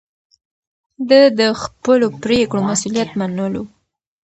ده د خپلو پرېکړو مسووليت منلو.